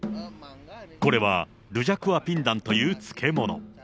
これはルジャクワピンダンという漬物。